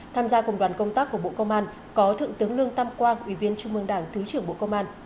tham gia cùng đoàn công tác của bộ công an có thượng tướng lương tam quang ủy viên trung mương đảng thứ trưởng bộ công an